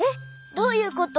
どういうこと？